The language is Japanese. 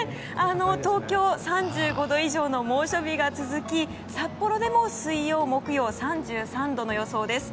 東京、３５度以上の猛暑日が続き札幌でも水曜と木曜は３３度の予想です。